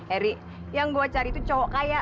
eri yang gua cari itu cowok kaya